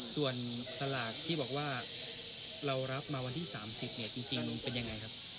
ส่วนสลากที่บอกว่าเรารับมาวันที่๓๐เนี่ยจริงเป็นยังไงครับ